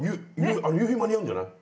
夕日間に合うんじゃない？